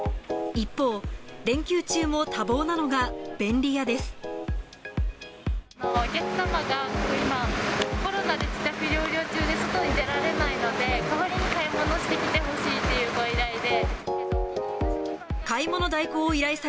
一方、連休中も多忙なのが便お客様が今、コロナで自宅療養中で、外に出られないので、代わりに買い物してきてほしいというご依頼で。